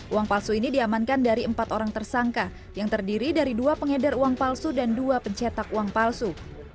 uang palsu ini diamankan dari empat orang tersangka yang terdiri dari dua pengedar uang palsu dan dua pencetak uang palsu